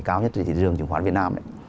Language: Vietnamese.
cao nhất trên thị trường trứng khoán việt nam